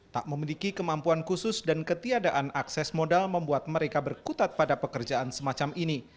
tak memiliki kemampuan khusus dan ketiadaan akses modal membuat mereka berkutat pada pekerjaan semacam ini